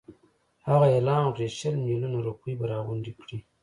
هغه اعلان وکړ چې شل میلیونه روپۍ به راغونډي کړي.